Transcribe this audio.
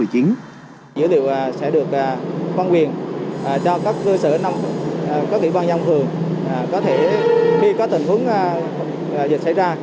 dữ liệu sẽ được văn quyền cho các cơ sở các kỷ văn nhau thường khi có tình huống dịch xảy ra